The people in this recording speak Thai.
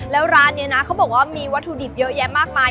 แล้วร้านนี้นะเขาบอกว่ามีวัตถุดิบเยอะแยะมากมาย